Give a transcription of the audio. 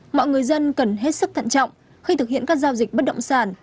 mọi người dân cần hết sức thận trọng khi thực hiện các giao dịch bất động sản